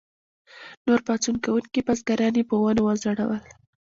نور پاڅون کوونکي بزګران یې په ونو وځړول.